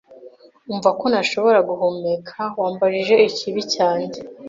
Umva ko ntashobora guhumeka, wambajije ikibi cyanjye